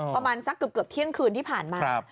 ประมาณสักเกือบเที่ยงคืนที่ผ่านมา